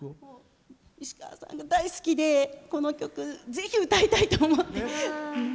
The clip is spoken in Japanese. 石川さんが大好きで、この曲ぜひ歌いたいと思って。